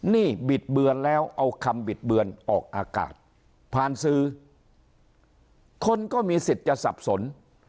นี่บิดเบือนแล้วเอาคำบิดเบือนออกอากาศผ่านสื่อคนก็มีสิทธิ์จะสับสน